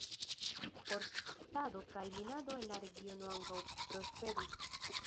Forstado kaj minado en la regiono ankaŭ prosperis.